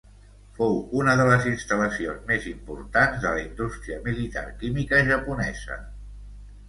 Fou una de les instal·lacions més importants de la indústria militar química japonesa.